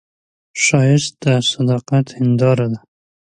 ښایست د صداقت هنداره ده